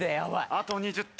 あと２０点。